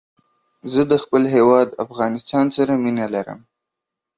زه د خپل هېواد افغانستان سره مينه لرم